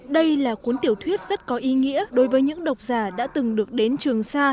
đây là cuốn tiểu thuyết rất có ý nghĩa đối với những độc giả đã từng được đến trường sa